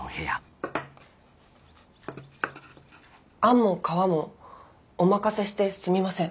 餡も皮もお任せしてすみません。